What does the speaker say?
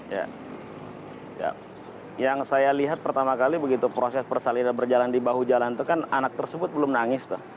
ya yang saya lihat pertama kali begitu proses persalinan berjalan di bahu jalan itu kan anak tersebut belum nangis